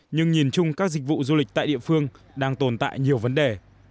nhưng nhìn chung các dịch vụ du lịch tại địa phương đang tồn tại nhiều vấn đề